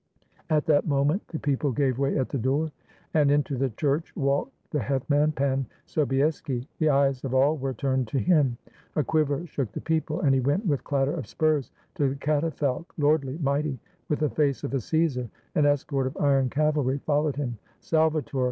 At that moment the people gave way at the door; and into the church walked the hetman, Pan Sobieski. The eyes of all were turned to him ; a quiver shook the people ; and he went with clatter of spurs to the catafalque, lordly, mighty, with the face of a Cassar. An escort of iron cavalry followed him. "Salvator!"